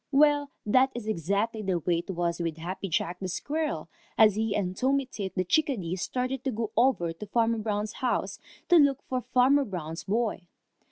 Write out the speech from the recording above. Well, that is exactly the way it was with Happy Jack Squirrel, as he and Tommy Tit the Chickadee started to go over to Farmer Brown's house to look for Farmer Brown's boy.